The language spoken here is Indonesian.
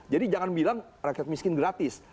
jadi jangan bilang rakyat miskin gratis